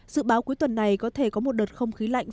dự báo cuối tuần này có thể có một đợt không khí lạnh